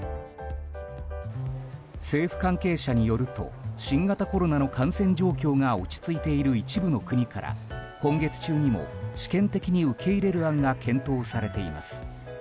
政府関係者によると新型コロナの感染状況が落ち着いている一部の国から今月中にも試験的に受け入れる案が検討されています。